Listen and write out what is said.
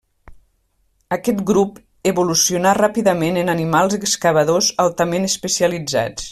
Aquest grup evolucionà ràpidament en animals excavadors altament especialitzats.